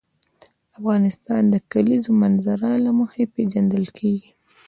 افغانستان د د کلیزو منظره له مخې پېژندل کېږي.